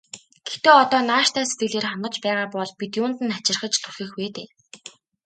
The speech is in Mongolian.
Гэхдээ одоо нааштай сэтгэлээр хандаж байгаа бол бид юунд нь хачирхаж түлхэх вэ дээ.